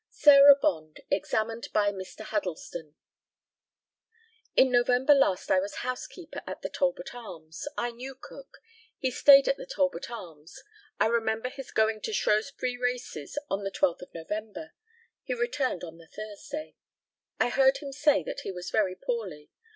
SARAH BOND, examined by Mr. HUDDLESTON: In November last I was housekeeper at the Talbot Arms. I knew Cook. He stayed at the Talbot Arms. I remember his going to Shrewsbury races on the 12th of November. He returned on the Thursday. I heard him say that he was very poorly.